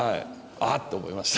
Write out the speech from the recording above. あっ！って思いました。